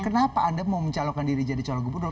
kenapa anda mau mencalonkan diri jadi calon gempa dulu